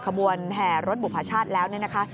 ขบวนแห่รถบุพชาติแล้วเนี่ยนะคะ